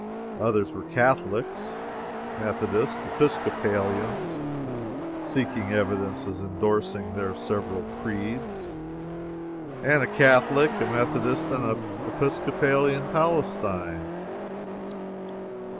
Others were Catholics, Methodists, Episcopalians, seeking evidences indorsing their several creeds, and a Catholic, a Methodist, an Episcopalian Palestine.